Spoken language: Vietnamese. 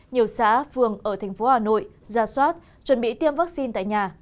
nhiều xã phường ở thành phố hà nội ra soát chuẩn bị tiêm vaccine tại nhà